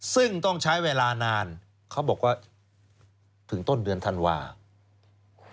ซึ่งต้องใช้เวลานานเขาบอกว่าถึงต้นเดือนธันวาคม